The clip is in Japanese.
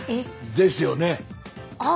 ですよね。